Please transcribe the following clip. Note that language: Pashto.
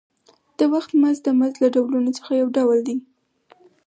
د وخت مزد د مزد له ډولونو څخه یو ډول دی